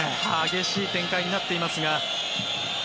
激しい展開になっていますが。